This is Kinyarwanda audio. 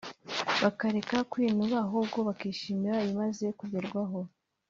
bakareka kwinuba ahubwo bakishimira ibimaze kugerwaho